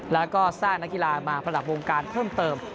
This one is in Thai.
แล้วก็สร้างนักกีฬามาประดับวงการเพิ่มเติม